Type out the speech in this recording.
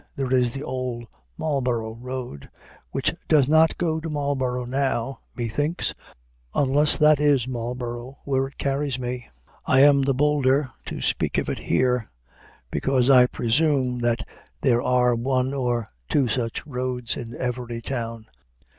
There is the Old Marlborough Road, which does not go to Marlborough now, methinks, unless that is Marlborough where it carries me. I am the bolder to speak of it here, because I presume that there are one or two such roads in every town.